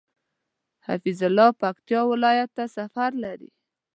حفيظ الله پکتيا ولايت ته سفر لري